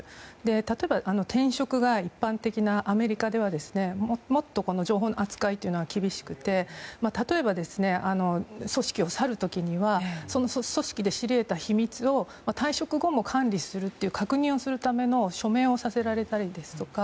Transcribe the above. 例えば、転職が一般的なアメリカではもっと情報の扱いというのは厳しくて例えば、組織を去る時にはその組織で知り得た秘密を退職後も管理するという確認をするための署名をさせられたりですとか